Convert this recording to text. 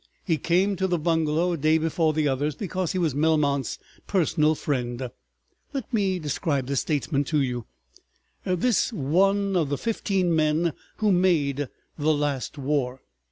He came to the bungalow a day before the others, because he was Melmount's personal friend. Let me describe this statesman to you, this one of the fifteen men who made the last war.